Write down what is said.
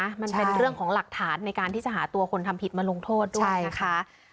มันเป็นเรื่องของหลักฐานในการที่จะหาตัวคนทำผิดมาลงโทษด้วยนะคะ